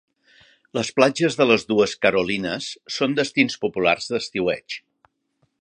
Les platges de les dues Carolinas són destins populars d'estiueig.